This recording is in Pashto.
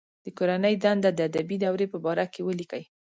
د کورنۍ دنده د ادبي دورې په باره کې ولیکئ.